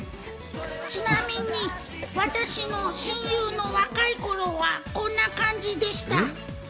ちなみに私の親友の若い頃はこんな感じでした。